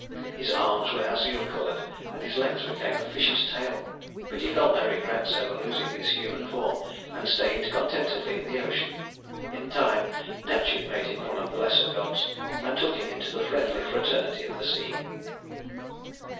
His arms were azure colored, and his legs became a fish's tail; but he felt no regrets over losing his human form, and stayed contentedly in the ocean. In time Neptune made him one of the lesser gods, and took him into the friendly fraternity of the sea.